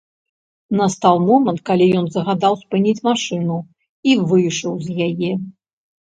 Настаў момант, калі ён загадаў спыніць машыну і выйшаў з яе.